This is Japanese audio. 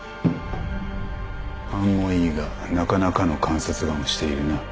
勘もいいがなかなかの観察眼をしているな。